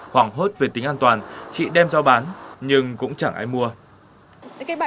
hoảng hốt về tính an toàn chị đem giao bán nhưng cũng chẳng ai mua